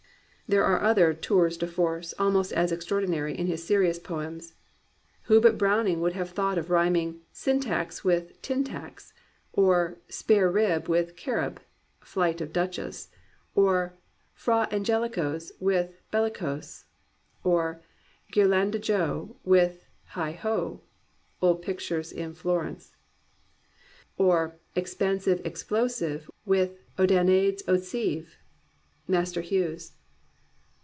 'There are other tours de force almost as extraordinary in his serious poems. Who but Browning would have thought of rhyming "syntax" with "tin tacks," or "spare rib" with "Carib," {Flight of Duchess) or "Fra Angelico's" with "bellicose," or "Ghirlanda jo" with "heigh ho," {Old Pictures in Florence) or "expansive explosive" with "O Danaides, O Sieve !" {Master Hugues).